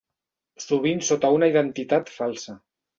Sovint sota una identitat falsa.